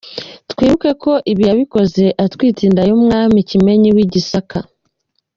Twibuke ko ibi yabikoze atwite inda y’umwami Kimenyi w’i Gisaka.